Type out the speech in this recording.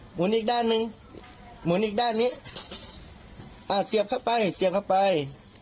หุนอีกด้านหนึ่งหมุนอีกด้านนี้อ่าเสียบเข้าไปเสียบเข้าไป